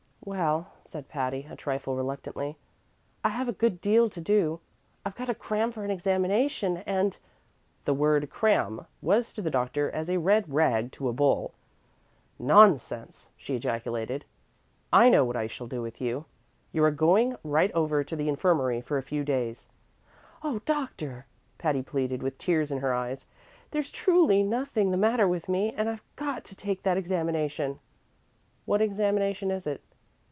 "Well," said Patty, a trifle reluctantly, "I have a good deal to do. I've got to cram for an examination, and " The word "cram" was to the doctor as a red rag to a bull. "Nonsense!" she ejaculated. "I know what I shall do with you. You are going right over to the infirmary for a few days " "Oh, doctor!" Patty pleaded, with tears in her eyes, "there's truly nothing the matter with me, and I've got to take that examination." "What examination is it?"